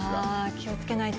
気をつけないと。